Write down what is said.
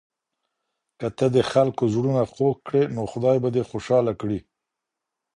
که ته د خلکو زړونه خوږ کړې نو خدای به دې خوشاله کړي.